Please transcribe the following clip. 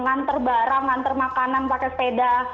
nganter barang nganter makanan pakai sepeda